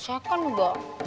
saya kan juga